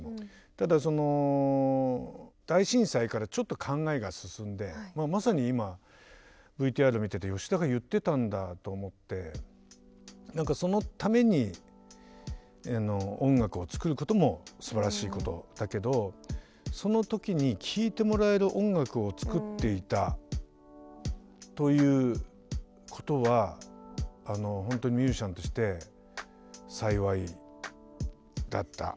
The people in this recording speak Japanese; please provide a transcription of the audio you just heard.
ただその大震災からちょっと考えが進んでまさに今ＶＴＲを見てて吉田が言ってたんだと思って何かそのために音楽を作ることもすばらしいことだけどその時に聴いてもらえる音楽を作っていたということはほんとミュージシャンとして幸いだった。